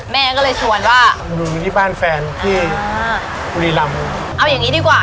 แม่ก็เลยชวนว่าหนูอยู่ที่บ้านแฟนที่บุรีรำเอาอย่างงี้ดีกว่า